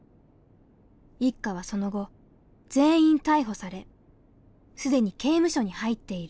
一家はその後全員逮捕され既に刑務所に入っている。